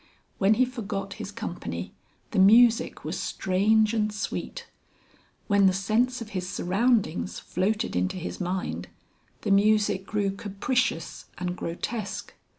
When he forgot his company the music was strange and sweet; when the sense of his surroundings floated into his mind the music grew capricious and grotesque.